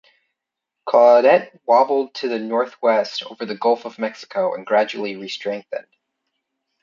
Claudette wobbled to the northwest over the Gulf of Mexico and gradually restrengthened.